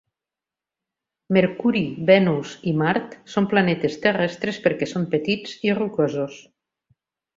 Mercuri, Venus i Mart són planetes terrestres perquè són petits i rocosos.